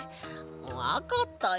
わかったよ。